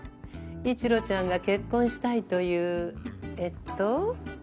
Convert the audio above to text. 一路ちゃんが結婚したいというえっと。